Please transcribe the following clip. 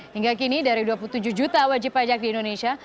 hingga kini dari dua puluh tujuh juta wajib pajak di indonesia